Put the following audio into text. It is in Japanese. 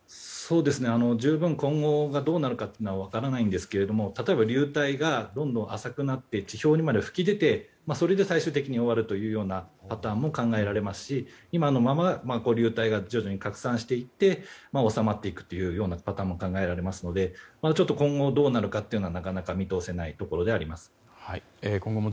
十分、今後がどうなのか分からないんですが例えば流体がどんどん浅くなって地表にまで噴き出てそれで最終的に終わる可能性も考えられますし、今のまま流体が徐々に拡散していって収まっていくパターンも考えられますので今後どうなるかなかなか見通せないと思います。